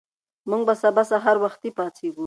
موږ به سبا سهار وختي پاڅېږو.